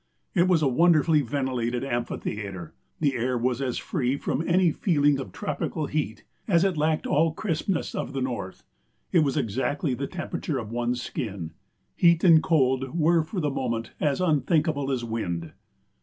It was a wonderfully ventilated amphitheatre; the air was as free from any feeling of tropical heat, as it lacked all crispness of the north. It was exactly the temperature of one's skin. Heat and cold were for the moment as unthinkable as wind.